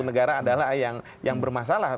negara adalah yang bermasalah